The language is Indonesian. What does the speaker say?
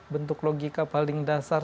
bentuk logika paling dasar